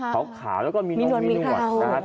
เขาขาวแล้วก็มีน้องมีนวด